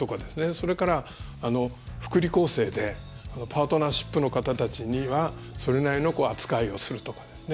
それから福利厚生でパートナーシップの方たちにはそれなりの扱いをするとかですね